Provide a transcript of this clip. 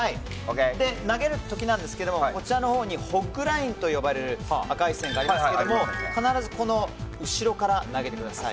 投げる時ですが、こちらにホッグラインと呼ばれる赤い線がありますけども必ずこの後ろから投げてください。